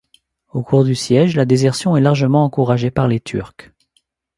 Au cours du siège, la désertion est largement encouragée par les Turcs.